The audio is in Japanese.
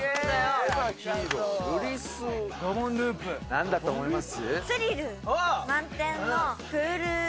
何だと思います？